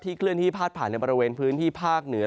เคลื่อนที่พาดผ่านในบริเวณพื้นที่ภาคเหนือ